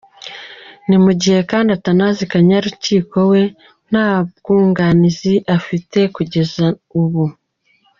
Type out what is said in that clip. Ni mu gihe kandi Bwana Athanase Kanyarukiko we nta bwunganizi afite kugeza ubu.